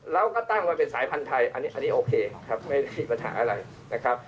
แล้วก็ตั้งไว้เป็นสายพันธุ์ไทยอันนี้โอเคครับไม่ได้มีปัญหาอะไรนะครับ